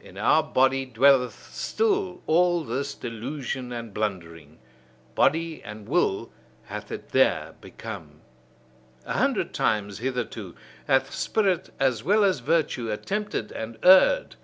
in our body dwelleth still all this delusion and blundering: body and will hath it there become. A hundred times hitherto hath spirit as well as virtue attempted and erred.